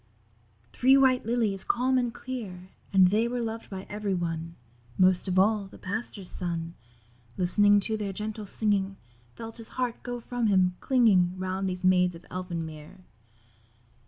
Three white Lilies, calm and clear, And they were loved by every one; Most of all, the Pastor's Son, Listening to their gentle singing, Felt his heart go from him, clinging Round these Maids of Elfin Mere.